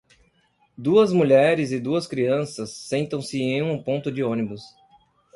Duas mulheres e duas crianças sentam-se em um ponto de ônibus.